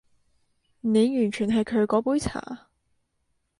你完全係佢嗰杯茶